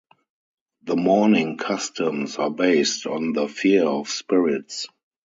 The mourning customs are based on the fear of spirits.